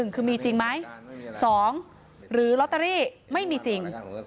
คือมีจริงไหม๒หรือลอตเตอรี่ไม่มีจริง